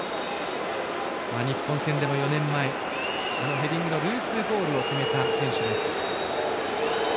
日本戦でも４年前ヘディングのループゴールを決めた選手です。